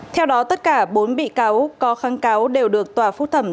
theo đó tất cả bốn bị cáo có kháng cáo đều được tòa phúc thẩm